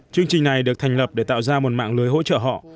chương trình này được thành lập để tạo ra một mạng lưới hỗ trợ họ